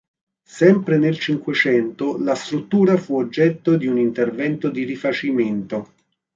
Sempre nel Cinquecento la struttura fu oggetto di un intervento di rifacimento.